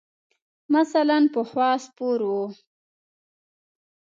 مثلاً پخوا سپر ؤ.